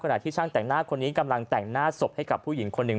ที่ช่างแต่งหน้าคนนี้กำลังแต่งหน้าศพให้กับผู้หญิงคนหนึ่ง